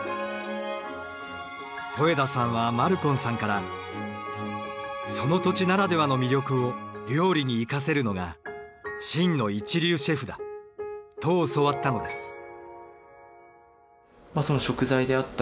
戸枝さんはマルコンさんからその土地ならではの魅力を料理に活かせるのが真の一流シェフだと教わったのです。